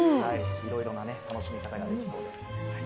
いろんな楽しみ方ができそうです。